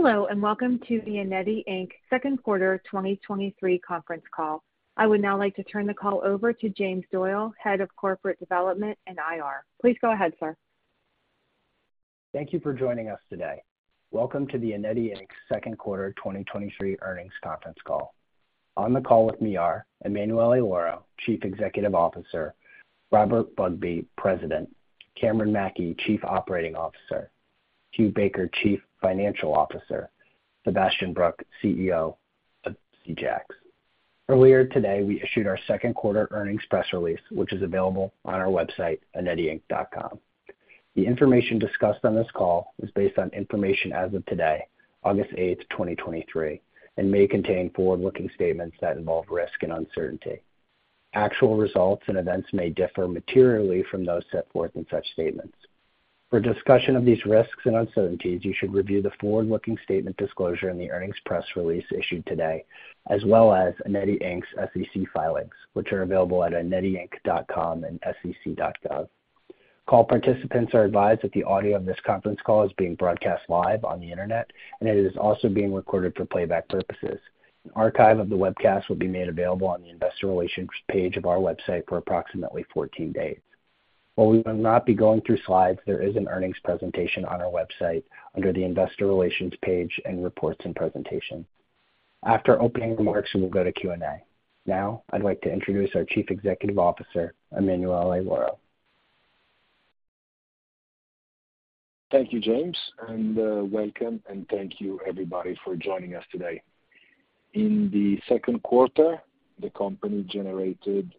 Hello, welcome to the Eneti Inc. 2nd quarter 2023 conference call. I would now like to turn the call over to James Doyle, Head of Corporate Development and IR. Please go ahead, sir. Thank you for joining us today. Welcome to the Eneti Inc.'s second quarter 2023 earnings conference call. On the call with me are Emanuele Lauro, Chief Executive Officer; Robert Bugbee, President; Cameron Mackey, Chief Operating Officer; Hugh Baker, Chief Financial Officer; Sebastian Brooke, CEO of Seajacks. Earlier today, we issued our second quarter earnings press release, which is available on our website, eneti-inc.com. The information discussed on this call is based on information as of today, August 8th, 2023, and may contain forward-looking statements that involve risk and uncertainty. Actual results and events may differ materially from those set forth in such statements. For discussion of these risks and uncertainties, you should review the forward-looking statement disclosure in the earnings press release issued today, as well as Eneti Inc's SEC filings, which are available at eneti-inc.com and sec.gov. Call participants are advised that the audio of this conference call is being broadcast live on the Internet, and it is also being recorded for playback purposes. An archive of the webcast will be made available on the Investor Relations page of our website for approximately 14 days. While we will not be going through slides, there is an earnings presentation on our website under the Investor Relations page and reports and presentation. After opening remarks, we will go to Q&A. Now, I'd like to introduce our Chief Executive Officer, Emanuele Lauro. Thank you, James, and welcome, and thank you everybody for joining us today. In the second quarter, the company generated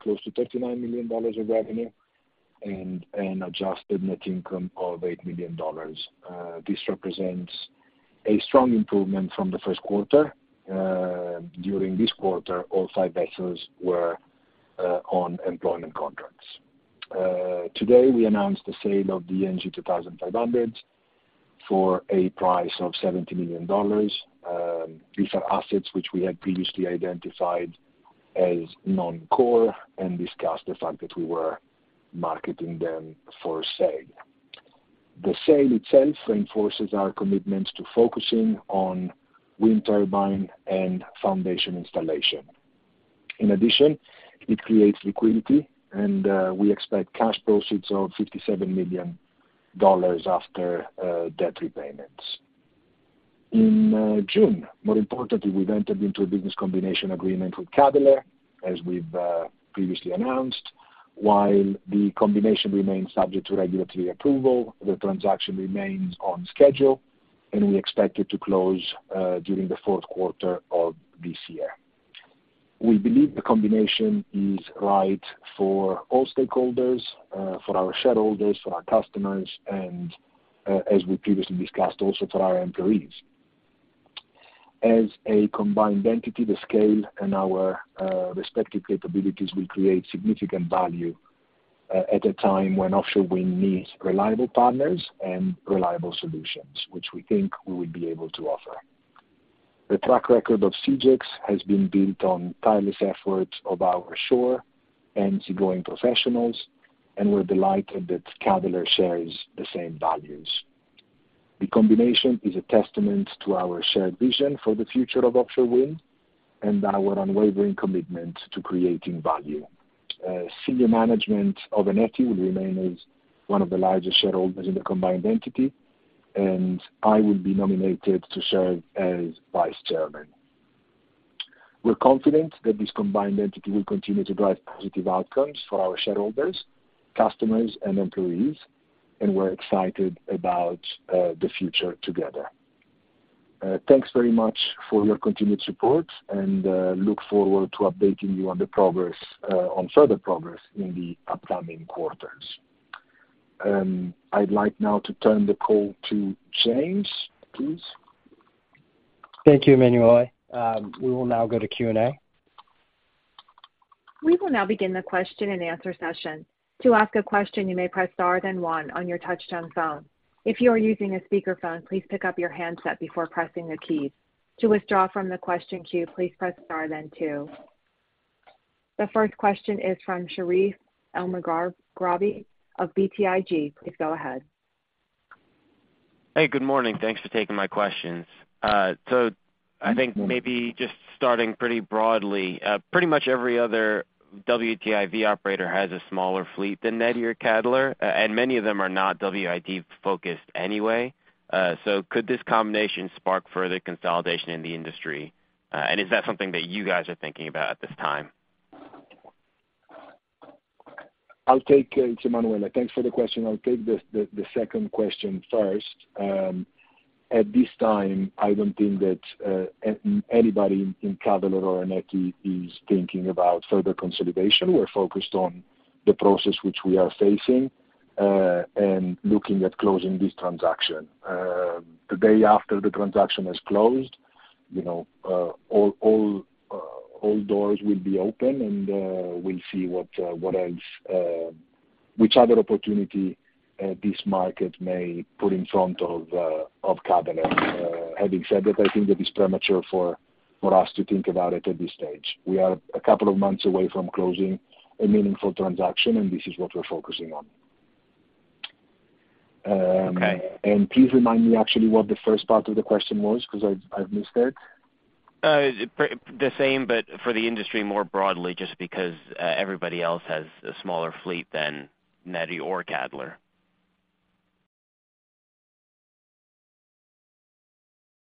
close to $39 million of revenue and an adjusted net income of $8 million. This represents a strong improvement from the first quarter. During this quarter, all 5 vessels were on employment contracts. Today, we announced the sale of the NG-2500X for a price of $70 million. These are assets which we had previously identified as non-core and discussed the fact that we were marketing them for sale. The sale itself reinforces our commitment to focusing on wind turbine and foundation installation. In addition, it creates liquidity, and we expect cash proceeds of $57 million after debt repayments. In June, more importantly, we've entered into a business combination agreement with Cadeler, as we've previously announced. While the combination remains subject to regulatory approval, the transaction remains on schedule, and we expect it to close during the fourth quarter of this year. We believe the combination is right for all stakeholders, for our shareholders, for our customers, and as we previously discussed, also for our employees. As a combined entity, the scale and our respective capabilities will create significant value at a time when offshore wind needs reliable partners and reliable solutions, which we think we will be able to offer. The track record of Seajacks has been built on tireless efforts of our shore and seagoing professionals, and we're delighted that Cadeler shares the same values. The combination is a testament to our shared vision for the future of offshore wind and our unwavering commitment to creating value. Senior management of Eneti will remain as one of the largest shareholders in the combined entity. I will be nominated to serve as vice chairman. We're confident that this combined entity will continue to drive positive outcomes for our shareholders, customers, and employees. We're excited about the future together. Thanks very much for your continued support. Look forward to updating you on the progress on further progress in the upcoming quarters. I'd like now to turn the call to James, please. Thank you, Emanuele. We will now go to Q&A. We will now begin the question and answer session. To ask a question, you may press Star, then 1 on your touchtone phone. If you are using a speakerphone, please pick up your handset before pressing the keys. To withdraw from the question queue, please press Star, then 2. The first question is from Sherif El-Maghraby of BTIG. Please go ahead. Hey, good morning. Thanks for taking my questions. I think maybe just starting pretty broadly, pretty much every other WTIV operator has a smaller fleet than Eneti or Cadeler, and many of them are not WTIV focused anyway. Could this combination spark further consolidation in the industry? Is that something that you guys are thinking about at this time? I'll take. It's Emanuele. Thanks for the question. I'll take the second question first. At this time, I don't think that anybody in Cadeler or Eneti is thinking about further consolidation. We're focused on the process which we are facing and looking at closing this transaction. The day after the transaction has closed, you know, all doors will be open, and we'll see what else which other opportunity this market may put in front of Cadeler. Having said that, I think it is premature for us to think about it at this stage. We are a couple of months away from closing a meaningful transaction, and this is what we're focusing on.... Please remind me actually what the first part of the question was, because I, I've missed it. The, the same, but for the industry more broadly, just because everybody else has a smaller fleet than Eneti or Cadeler.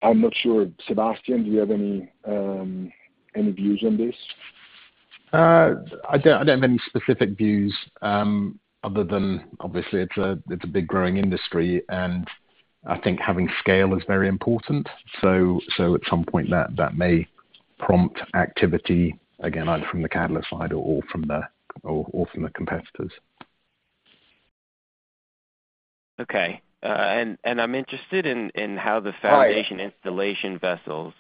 I'm not sure. Sebastian, do you have any, any views on this? I don't, I don't have any specific views, other than obviously, it's a, it's a big growing industry, and I think having scale is very important. At some point that, that may prompt activity, again, either from the Cadeler side or from the, or, or from the competitors. Okay. I'm interested in, in how the foundation... Hi- installation vessels...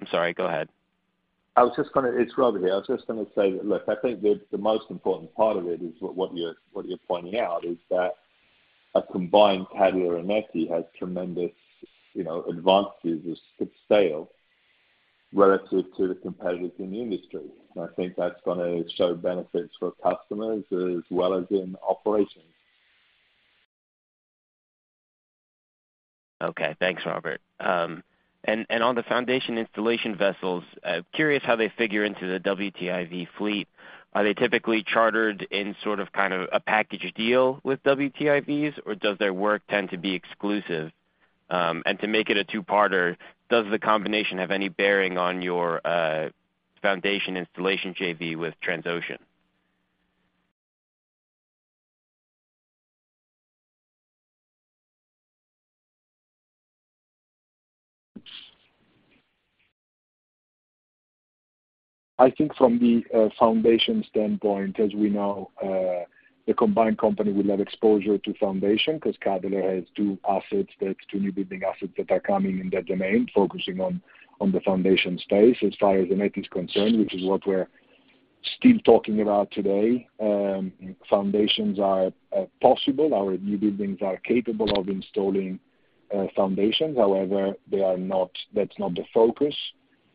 I'm sorry, go ahead. It's Robert here. I was just gonna say, look, I think the most important part of it is what you're pointing out, is that a combined Cadeler and Eneti has tremendous, you know, advantages of scale relative to the competitors in the industry. I think that's gonna show benefits for customers as well as in operations. Okay. Thanks, Robert. On the foundation installation vessels, curious how they figure into the WTIV fleet. Are they typically chartered in sort of, kind of a package deal with WTIVs, or does their work tend to be exclusive? To make it a two-parter, does the combination have any bearing on your foundation installation JV with Transocean? I think from the foundation standpoint, as we know, the combined company will have exposure to foundation, 'cause Cadeler has two assets, the two new building assets that are coming in that domain, focusing on, on the foundation space. As far as the Eneti is concerned, which is what we're still talking about today, foundations are possible. Our new buildings are capable of installing foundations. However, they are not... That's not the focus,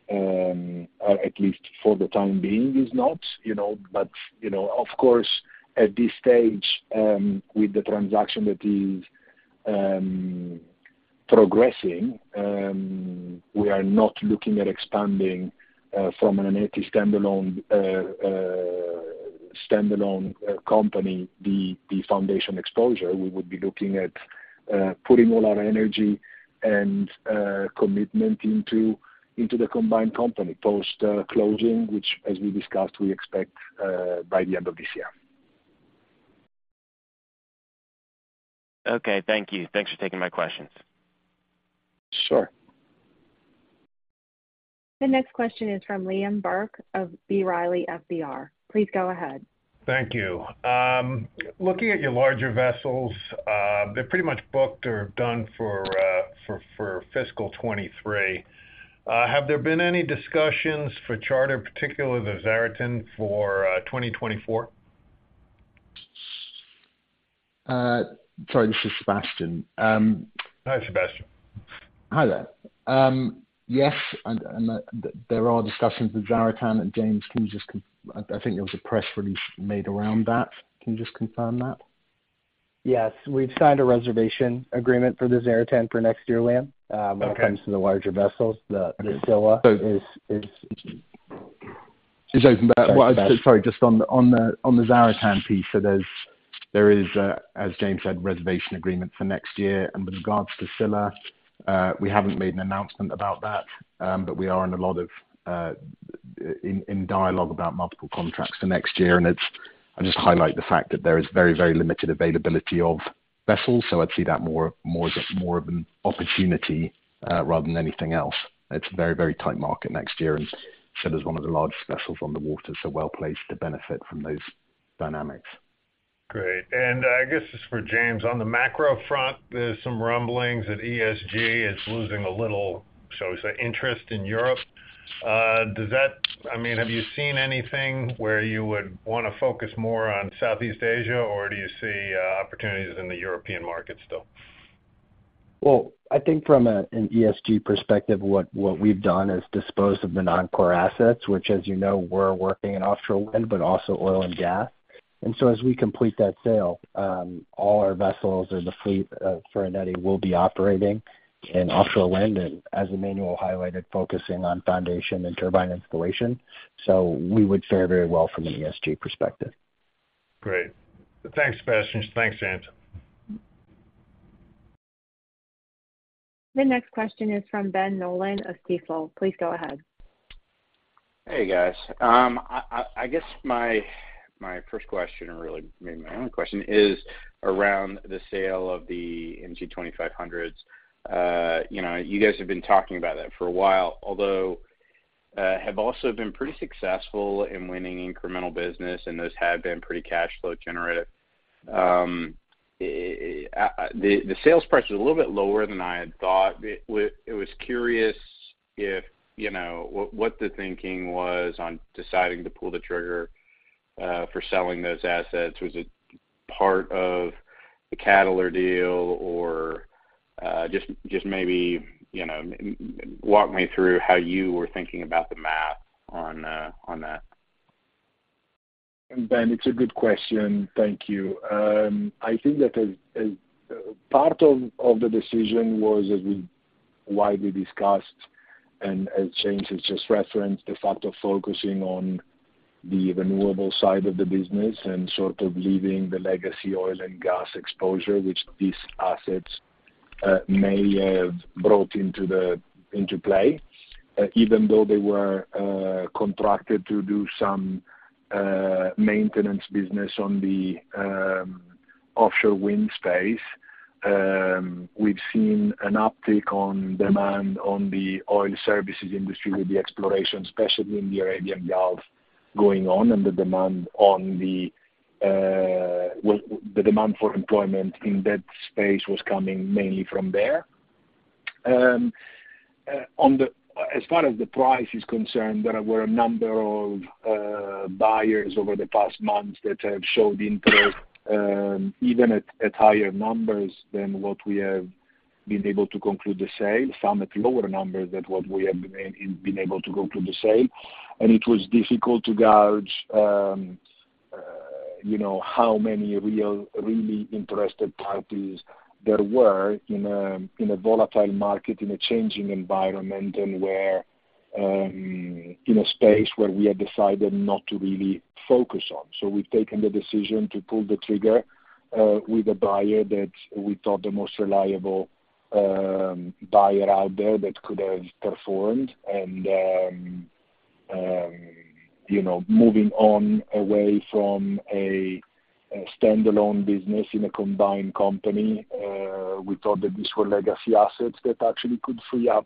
or at least for the time being, is not, you know. You know, of course, at this stage, with the transaction that is progressing, we are not looking at expanding, from an Eneti standalone, standalone company, the foundation exposure. We would be looking at, putting a lot of energy and, commitment into, into the combined company post, closing, which, as we discussed, we expect, by the end of this year. Okay. Thank you. Thanks for taking my questions. Sure. The next question is from Liam Burke of B. Riley Securities. Please go ahead. Thank you. Looking at your larger vessels, they're pretty much booked or done for, for, for fiscal 2023. Have there been any discussions for charter, particularly the Zaratan, for, 2024? Sorry, this is Sebastian. Hi, Sebastian. Hi there. yes, there are discussions with Zaratan, James, can you just con- I, I think there was a press release made around that. Can you just confirm that? Yes, we've signed a reservation agreement for the Zaratan for next year, Liam. Okay. When it comes to the larger vessels, the Scylla is... Sorry, just on the, on the, on the Zaratan piece, there's, there is, as James said, reservation agreement for next year. With regards to Scylla, we haven't made an announcement about that, but we are in a lot of, in, in dialogue about multiple contracts for next year. It's I'll just highlight the fact that there is very, very limited availability of vessels, so I'd see that more, more, more of an opportunity, rather than anything else. It's a very, very tight market next year, and Scylla is one of the largest vessels on the water, so well placed to benefit from those dynamics. Great. I guess this is for James. On the macro front, there's some rumblings that ESG is losing a little, shall we say, interest in Europe. I mean, have you seen anything where you would want to focus more on Southeast Asia, or do you see opportunities in the European market still? Well, I think from a, an ESG perspective, what, what we've done is dispose of the non-core assets, which, as you know, we're working in offshore wind, but also oil and gas. As we complete that sale, all our vessels or the fleet for Eneti will be operating in offshore wind, and as Emanuele highlighted, focusing on foundation and turbine installation. We would fare very well from an ESG perspective. Great. Thanks, Sebastian. Thanks, James. The next question is from Ben Nolan of Stifel. Please go ahead. Hey, guys. I guess my first question, and really maybe my only question, is around the sale of the NG-2500X vessels. You know, you guys have been talking about that for a while, although have also been pretty successful in winning incremental business, and those have been pretty cashflow generative. The sales price was a little bit lower than I had thought. I was curious if, you know, what, what the thinking was on deciding to pull the trigger for selling those assets. Was it part of the Cadeler deal, or just maybe, you know, walk me through how you were thinking about the math on that? Ben, it's a good question. Thank you. I think that as, as part of, of the decision was, as we widely discussed and as James has just referenced, the fact of focusing on the renewable side of the business and sort of leaving the legacy oil and gas exposure, which these assets, may have brought into the, into play. Even though they were contracted to do some maintenance business on the offshore wind space, we've seen an uptick on demand on the oil services industry, with the exploration, especially in the Arabian Gulf, going on, and the demand on the, well, the demand for employment in that space was coming mainly from there. On the-- as far as the price is concerned, there were a number of buyers over the past months that have showed interest, even at, at higher numbers than what we have been able to conclude the sale, some at lower numbers than what we have been, been able to conclude the sale. It was difficult to gauge, you know, how many real, really interested parties there were in a, in a volatile market, in a changing environment, and where, in a space where we had decided not to really focus on. We've taken the decision to pull the trigger, with a buyer that we thought the most reliable buyer out there that could have performed. You know, moving on away from a standalone business in a combined company, we thought that these were legacy assets that actually could free up,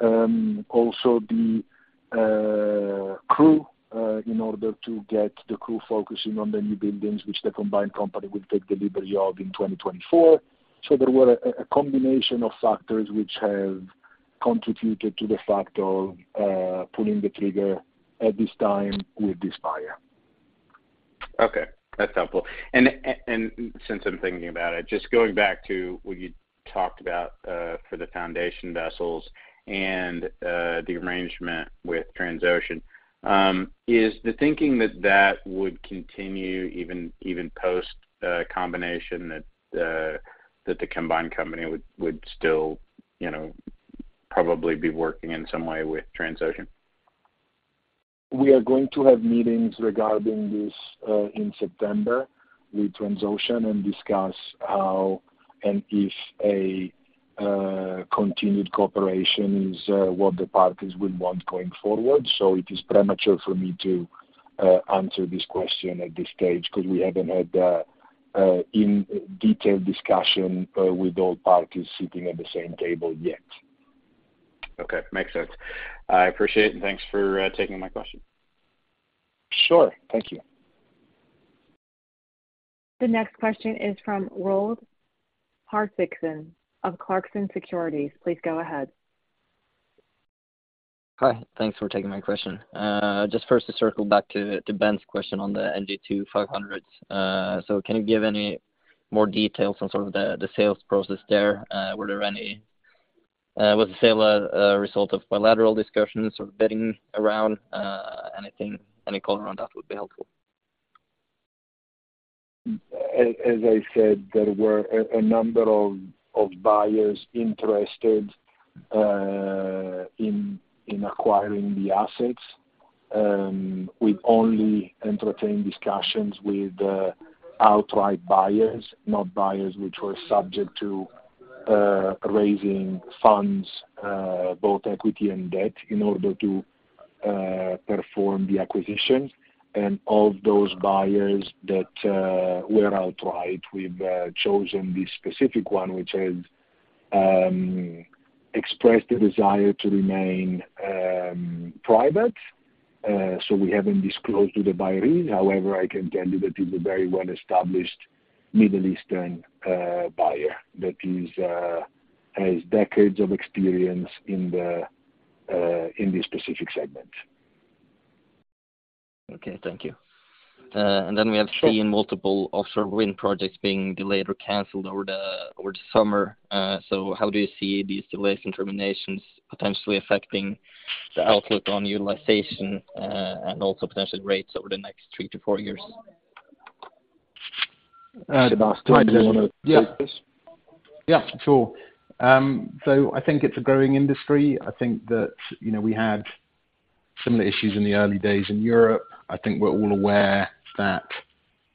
also the crew, in order to get the crew focusing on the new buildings, which the combined company will take delivery of in 2024. There were a combination of factors which have contributed to the fact of pulling the trigger at this time with this buyer. Okay, that's helpful. Since I'm thinking about it, just going back to what you talked about for the foundation vessels and the arrangement with Transocean, is the thinking that that would continue even, even post combination, that the combined company would still, you know, probably be working in some way with Transocean? We are going to have meetings regarding this, in September with Transocean and discuss how and if a continued cooperation is what the parties will want going forward. It is premature for me to answer this question at this stage, because we haven't had a in-detail discussion with all parties sitting at the same table yet. Okay, makes sense. I appreciate it, and thanks for taking my question. Sure. Thank you. The next question is from Roald Hartvigsen of Clarksons Securities. Please go ahead. Hi. Thanks for taking my question. Just first to circle back to, to Ben's question on the NG-2500X. Can you give any more details on sort of the, the sales process there? Were there any, was the sale a, a result of bilateral discussions or bidding around? Anything, any color around that would be helpful. As, as I said, there were a, a number of, of buyers interested in, in acquiring the assets. We only entertained discussions with outright buyers, not buyers which were subject to raising funds, both equity and debt, in order to perform the acquisition. Of those buyers that were outright, we've chosen this specific one, which has expressed the desire to remain private, so we haven't disclosed who the buyer is. However, I can tell you that he's a very well-established Middle Eastern buyer, that is, has decades of experience in the in this specific segment. Okay, thank you. We have seen multiple offshore wind projects being delayed or canceled over the summer. How do you see these delays and terminations potentially affecting the outlook on utilization, and also potential rates over the next 3 to 4 years? Sebastian, do you want to take this? Yeah. Yeah, sure. I think it's a growing industry. I think that, you know, we had similar issues in the early days in Europe. I think we're all aware that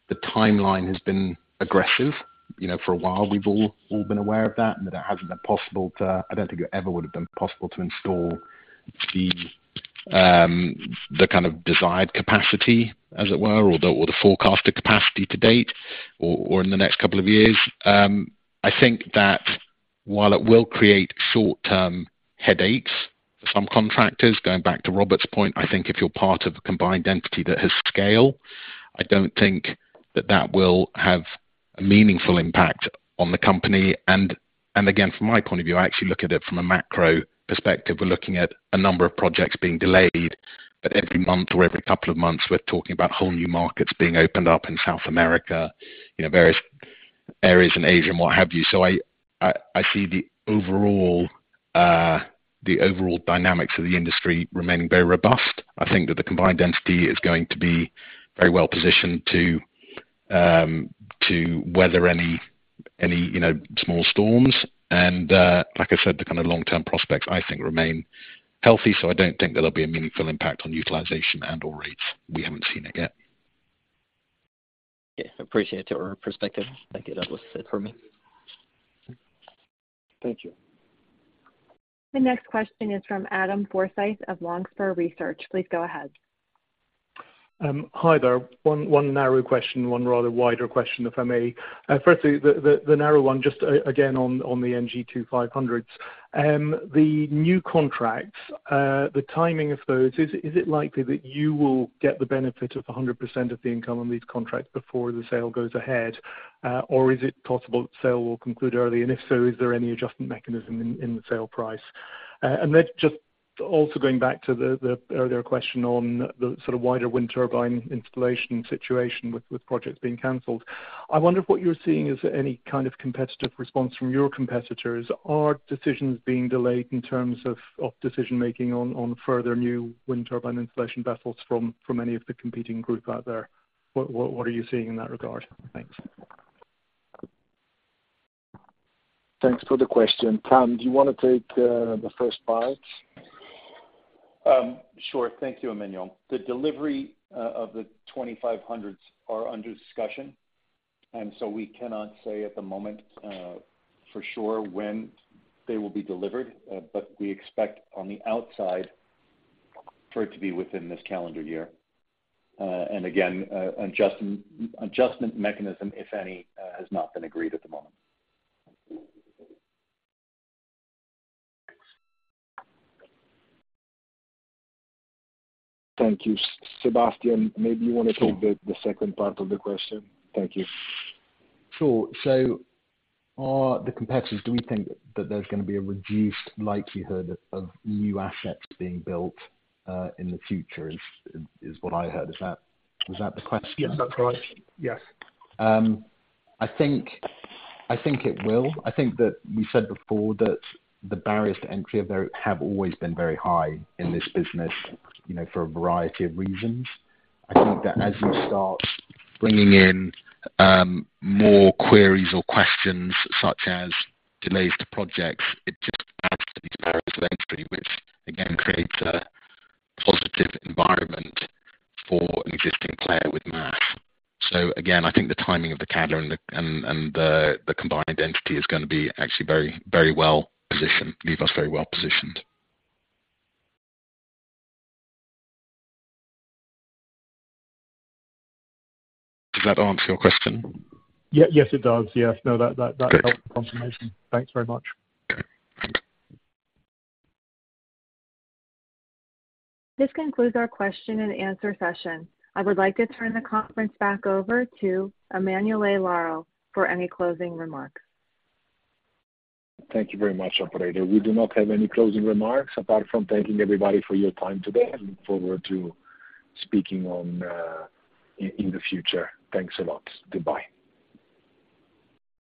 the timeline has been aggressive. You know, for a while, we've all, all been aware of that, and that it hasn't been possible to. I don't think it ever would have been possible to install the, the kind of desired capacity, as it were, or the, or the forecasted capacity to date, or, or in the next couple of years. I think that while it will create short-term headaches for some contractors, going back to Robert's point, I think if you're part of a combined entity that has scale, I don't think that that will have a meaningful impact on the company. Again, from my point of view, I actually look at it from a macro perspective. We're looking at a number of projects being delayed, but every month or every couple of months, we're talking about whole new markets being opened up in South America, you know, areas in Asia and what have you. I, I, I see the overall, the overall dynamics of the industry remaining very robust. I think that the combined entity is going to be very well positioned to weather any, any, you know, small storms. Like I said, the kind of long-term prospects, I think, remain healthy, so I don't think there'll be a meaningful impact on utilization and or rates. We haven't seen it yet. Okay, appreciate your perspective. Thank you. That was it for me. Thank you. The next question is from Adam Forsyth of Longspur Research. Please go ahead. Hi there. One narrow question, one rather wider question, if I may. Firstly, the, the, the narrow one, just again, on, on the NG-2500X. The new contracts, the timing of those, is, is it likely that you will get the benefit of 100% of the income on these contracts before the sale goes ahead? Is it possible the sale will conclude early, and if so, is there any adjustment mechanism in, in the sale price? Just also going back to the, the earlier question on the sort of wider wind turbine installation situation with, with projects being canceled. I wonder if what you're seeing, is there any kind of competitive response from your competitors? Are decisions being delayed in terms of, of decision-making on, on further new wind turbine installation vessels from, from any of the competing group out there? What, what, what are you seeing in that regard? Thanks. Thanks for the question. Tom, do you want to take the first part? Sure. Thank you, Emanuele. The delivery of the NG-2500X vessels are under discussion. We cannot say at the moment for sure when they will be delivered. We expect on the outside for it to be within this calendar year. Again, adjustment mechanism, if any, has not been agreed at the moment. Thank you. Sebastian, maybe you want to take- Sure. the, the second part of the question? Thank you. Sure. Are the competitors, do we think that there's going to be a reduced likelihood of new assets being built in the future, is what I heard. Is that the question? Yes, that's right. Yes. I think, I think it will. I think that we said before that the barriers to entry are very, have always been very high in this business, you know, for a variety of reasons. I think that as you start bringing in, more queries or questions such as delays to projects, it just adds to these barriers of entry, which, again, creates a positive environment for an existing player with mass. Again, I think the timing of the Cadeler and the combined entity is going to be actually very, very well positioned, leave us very well positioned. Does that answer your question? Yeah. Yes, it does. Yes. No, that. Good. helps confirmation. Thanks very much. Okay. This concludes our question and answer session. I would like to turn the conference back over to Emanuele Lauro for any closing remarks. Thank you very much, operator. We do not have any closing remarks apart from thanking everybody for your time today, and look forward to speaking on in the future. Thanks a lot. Goodbye.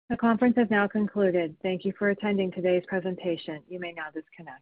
The conference is now concluded. Thank you for attending today's presentation. You may now disconnect.